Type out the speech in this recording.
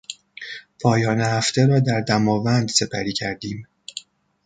پایان هفته را در دماوند سپری کردیم.